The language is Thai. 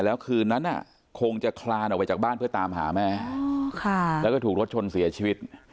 แล้วคืนนั้นคงจะคลานออกไปจากบ้านเพื่อตามหาแม่แล้วก็ถูกรถชนเสียชีวิต